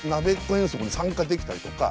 遠足に参加できたりとか。